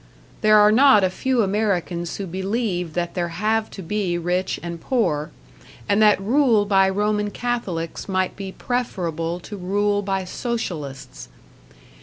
There are not a few Americans who believe that there have to be rich and poor, and that rule by Roman Catholics might be preferable to rule by Socialists.